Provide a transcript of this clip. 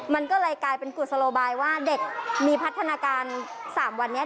มันก็เลยกลายเป็นกุศโลบายว่าเด็กมีพัฒนาการ๓วันนี้